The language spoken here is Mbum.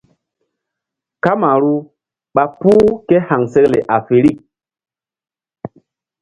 Kamaru ɓa puh ké haŋsekle afirik.